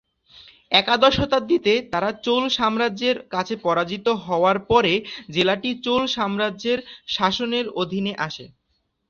একাদশ শতাব্দীতে তারা চোল সাম্রাজ্যের কাছে পরাজিত হওয়ার পরে জেলাটি চোল সাম্রাজ্যের শাসনের অধীনে আসে।